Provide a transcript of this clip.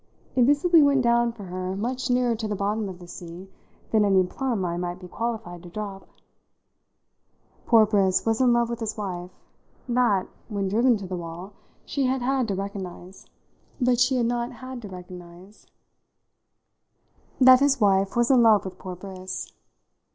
It visibly went down for her much nearer to the bottom of the sea than any plumb I might be qualified to drop. Poor Briss was in love with his wife that, when driven to the wall, she had had to recognise; but she had not had to recognise that his wife was in love with poor Briss.